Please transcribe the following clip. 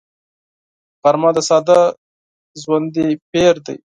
غرمه د ساده ژوندي پېر دی